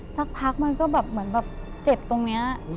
สักพักมันก็แบบเหมือนแบบเจ็บตรงนี้